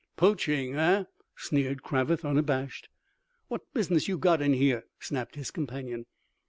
"Poaching, eh?" sneered Cravath unabashed. "What business you got in here?" snapped his companion.